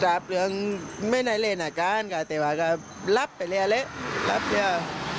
ชอบเรื่องไม่ใช่เล่นอาการก็ว่าที่ว่าก็ลับไปเลยแล้วลับไปเลย